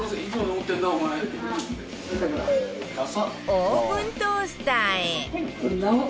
オーブントースターへ